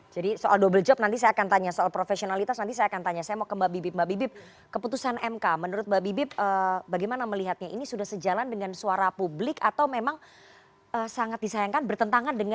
jadi soal double job nanti saya akan tanya soal profesionalitas nanti saya akan tanya saya mau ke mbak bibip mbak bibip keputusan mk menurut mbak bibip bagaimana melihatnya ini sudah sejalan dengan suara publik atau memang sangat disayangkan bertentangan dengan